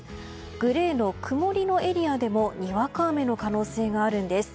グレーの曇りのエリアでもにわか雨の可能性があるんです。